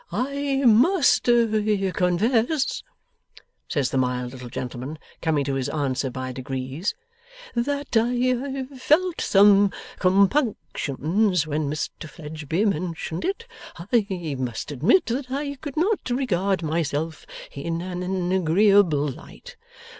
'I must confess,' says the mild little gentleman, coming to his answer by degrees, 'that I felt some compunctions when Mr Fledgeby mentioned it. I must admit that I could not regard myself in an agreeable light.